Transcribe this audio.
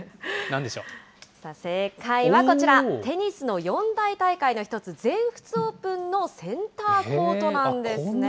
正解はこちら、テニスの四大大会の一つ、全仏オープンのセンターコートなんです。